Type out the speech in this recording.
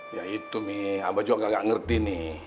ya itu umi abah juga nggak ngerti nih